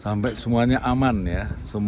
sampai semuanya aman ya